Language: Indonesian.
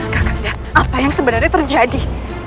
kakanda apa yang sebenarnya terjadi